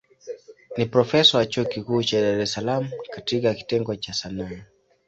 Ni profesa wa chuo kikuu cha Dar es Salaam katika kitengo cha Sanaa.